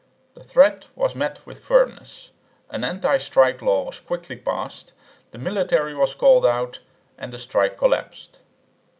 The threat was met with firmness; an anti strike law was quickly passed; the military was called out; and the strike collapsed.